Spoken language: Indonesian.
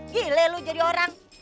gile lu jadi orang